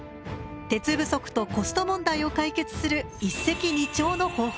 鉄不足とコスト問題を解決する一石二鳥の方法でした。